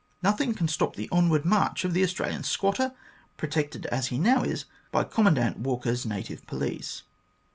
Nothing can stop the onward march of the Australian squatter, protected as he now is by Commandant Walker's native police.